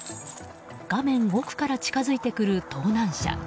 画面奥から近づいてくる盗難車。